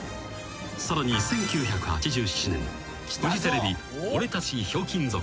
［さらに１９８７年フジテレビ『オレたちひょうきん族』では］